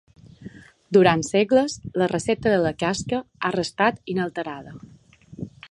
Durant segles, la recepta de la casca ha restat inalterada.